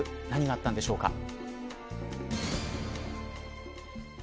何があったんでしょうか。